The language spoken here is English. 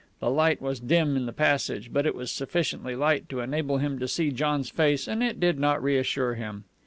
The light was dim in the passage, but it was sufficiently light to enable him to see John's face, and it did not reassure him.